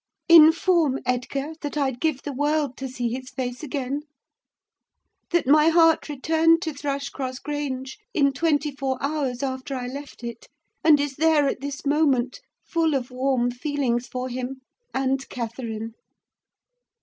Inform Edgar that I'd give the world to see his face again—that my heart returned to Thrushcross Grange in twenty four hours after I left it, and is there at this moment, full of warm feelings for him, and Catherine!